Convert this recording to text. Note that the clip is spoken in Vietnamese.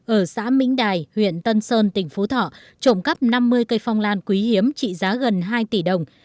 ở xã mĩnh đài huyện tân sơn tỉnh phú thọ trộm cắp năm mươi cây phong lan quý hiếm trị giá gần hai tỷ đồng